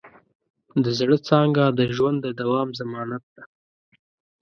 د زړۀ څانګه د ژوند د دوام ضمانت ده.